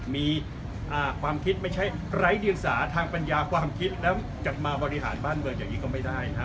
มีความคิดไม่ใช่ไร้เดียงสาทางปัญญาความคิดแล้วจะมาบริหารบ้านเมืองอย่างนี้ก็ไม่ได้นะฮะ